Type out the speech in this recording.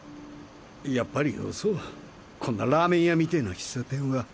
やっぱりよそうこんなラーメン屋みてぇな喫茶店は。